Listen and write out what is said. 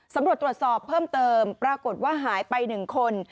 ตำรวจตรวจสอบเพิ่มเติมปรากฏว่าหายไป๑คน